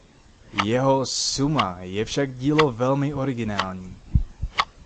Jeho "Summa" je však dílo velmi originální.